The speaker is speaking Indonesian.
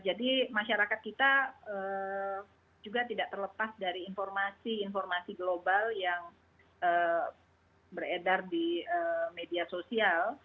jadi masyarakat kita juga tidak terlepas dari informasi informasi global yang beredar di media sosial